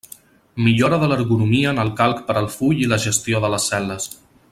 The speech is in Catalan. Millora de l'ergonomia en el Calc per al full i la gestió de les cel·les.